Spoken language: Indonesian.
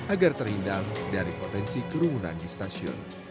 agar terhindar dari potensi kerumunan di stasiun